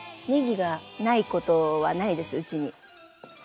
ねぎがないことはないですうちに。